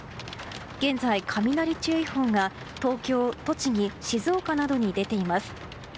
現在、雷注意報が東京栃木、静岡などに出ています。